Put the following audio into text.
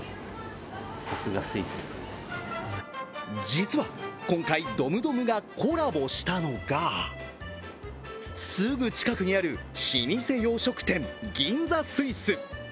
実は、今回ドムドムがコラボしたのがすぐ近くにある老舗洋食店、銀座スイス。